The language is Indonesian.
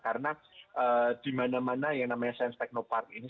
karena di mana mana yang namanya sains teknopark ini